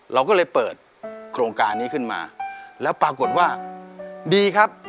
เราก็เลยเปิดโครงการนี้ขึ้นมาแล้วปรากฏว่าดีครับ